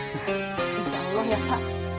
insya allah ya pak